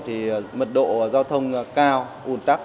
thì mật độ giao thông cao un tắc